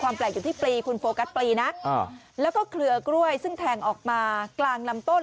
แปลกอยู่ที่ปลีคุณโฟกัสปลีนะแล้วก็เครือกล้วยซึ่งแทงออกมากลางลำต้น